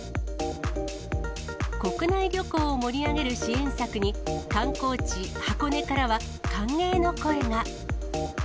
国内旅行を盛り上げる支援策に観光地、箱根からは、歓迎の声が。